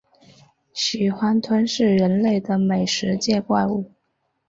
喜欢吞噬人类的美食界怪物。